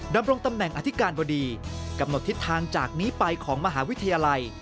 ดำรงตำแหน่งอธิการบดีกำหนดทิศทางจากนี้ไปของมหาวิทยาลัย